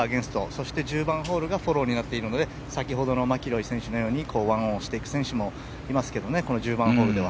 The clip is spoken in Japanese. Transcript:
そして、１０番ホールがフォローになっているので先ほどのマキロイ選手のように１オンしていく選手もいますけどね